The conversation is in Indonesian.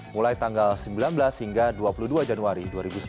mulai tanggal sembilan belas hingga dua puluh dua januari dua ribu sembilan belas